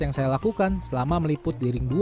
yang saya lakukan selama meliput di ring dua